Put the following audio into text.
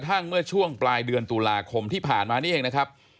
กระทั่งเมื่อช่วงปลายเดือนตุลาคมที่ผ่านมานี่เองนะครับ